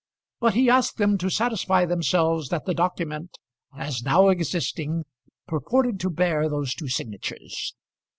But he asked them to satisfy themselves that the document as now existing purported to bear those two signatures.